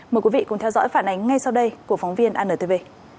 mời quý vị cùng theo dõi phản ánh ngay sau đây của phóng viên antv